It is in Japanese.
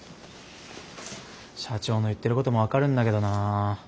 社長の言ってることも分かるんだけどな。